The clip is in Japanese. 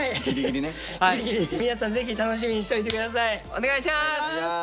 お願いします！